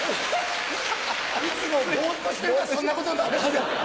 いつもボっとしてるからそんなことになるんですよ。